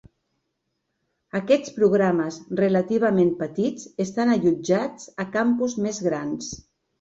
Aquests programes relativament petits estan allotjats a campus més grans.